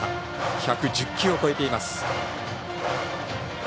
１１０球を超えています。